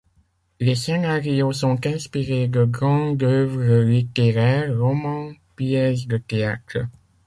Les scénarios sont inspirés de grandes œuvres littéraires, romans, pièces de théâtre.